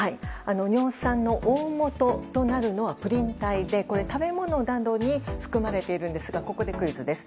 尿酸の大元となるのはプリン体で食べ物などに含まれているんですがここでクイズです。